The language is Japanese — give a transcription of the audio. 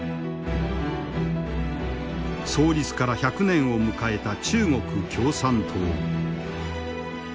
創立から１００年を迎えた中国共産党。